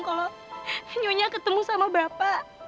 kalau nyonya ketemu sama bapak